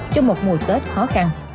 trong một mùa tết khó khăn